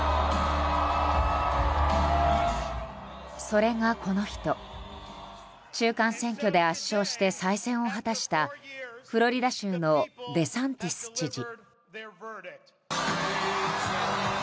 それがこの人、中間選挙で圧勝して再選を果たしたフロリダ州のデサンティス知事。